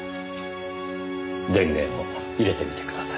電源を入れてみてください。